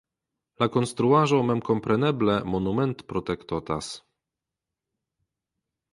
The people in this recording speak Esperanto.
La konstruaĵo memkompreneble monumentprotektotas.